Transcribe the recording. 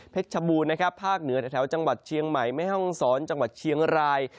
ชบูรณ์นะครับภาคเหนือแถวจังหวัดเชียงใหม่แม่ห้องศรจังหวัดเชียงราย